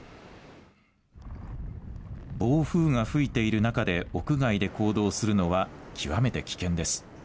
暴風が吹いている中で屋外で行動するのは極めて危険です。